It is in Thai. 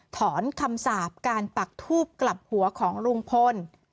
ถอนคำสาปการปักทูบกลับหัวของลุงพล